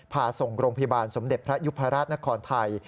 พาส่งโรงพยาบาลสมเด็จพระยุพราชนครไทย